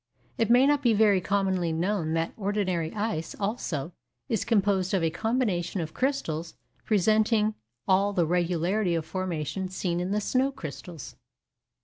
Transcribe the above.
It may not be very commonly known that ordinary ice, also, is composed of a combination of crystals presenting all the regularity of formation seen in the snow crystals.